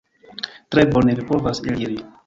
Tre bone: vi povas eliri.